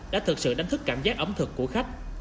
đã thực sự đánh thức cảm giác ẩm thực của khách